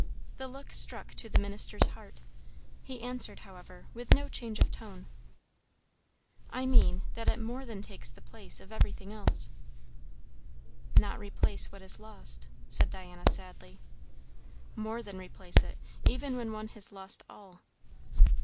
The look struck to the minister's heart. He answered, however, with no change of tone. "I mean, that it more than takes the place of everything else." "Not replace what is lost," said Diana sadly. "More than replace it, even when one has lost all."